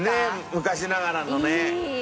昔ながらのね。